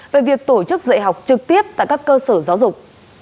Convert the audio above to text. về việc tổ chức dạy học trực tiếp tại các cơ sở giáo dục